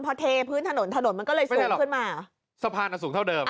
มันก็เลยสูงขึ้นมาเหรอไม่ได้หรอกสะพานมันสูงเท่าเดิม